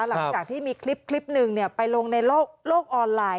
หลังจากที่มีคลิปหนึ่งไปลงในโลกออนไลน์